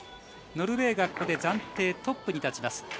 ノルウェーがここで暫定トップに立ちます。